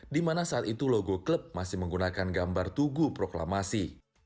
di mana saat itu logo klub masih menggunakan gambar tugu proklamasi